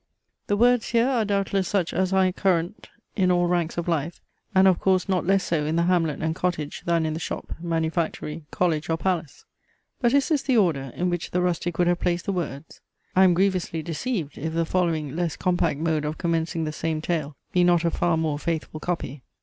The words here are doubtless such as are current in all ranks of life; and of course not less so in the hamlet and cottage than in the shop, manufactory, college, or palace. But is this the order, in which the rustic would have placed the words? I am grievously deceived, if the following less compact mode of commencing the same tale be not a far more faithful copy.